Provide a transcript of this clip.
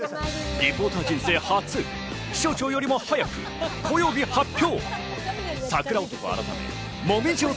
リポーター人生初、気象庁よりも早く紅葉日、発表。